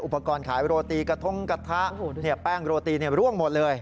ขายโรตีกระทงกระทะแป้งโรตีร่วงหมดเลย